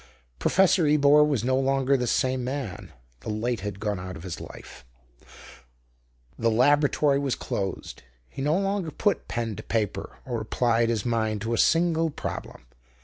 Professor Ebor was no longer the same man. The light had gone out of his life; the laboratory was closed; he no longer put pen to paper or applied his mind to a single problem.